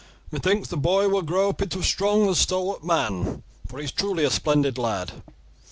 Methinks the boy will grow up into a strong and stalwart man, for he is truly a splendid lad.